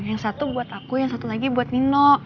yang satu buat aku yang satu lagi buat nino